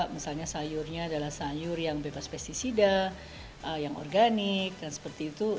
misalnya sayurnya adalah sayur yang bebas pesticida yang organik dan seperti itu